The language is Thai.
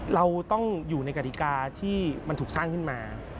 เราต้องอยู่ในกฎิกาที่มันถูกสร้างขึ้นมา